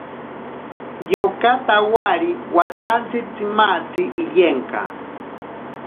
Yoka tawari watsanti tsimatzi iyenka.